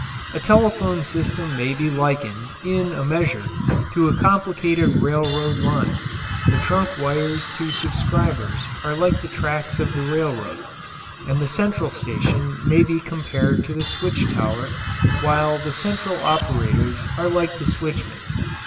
A telephone system may be likened, in a measure, to a complicated railroad line: the trunk wires to subscribers are like the tracks of the railroad, and the central station may be compared to the switch tower, while the central operators are like the switchmen.